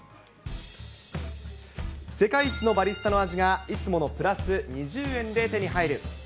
世界一のバリスタの味が、いつものプラス２０円で手に入る。